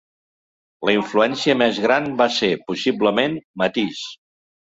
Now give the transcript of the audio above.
La influència més gran va ser, possiblement, Matisse.